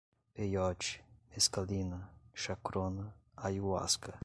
peiote, mescalina, chacrona, ayahuasca